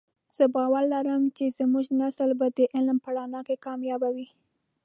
زه باور لرم چې زمونږ نسل به د علم په رڼا کې کامیابه وی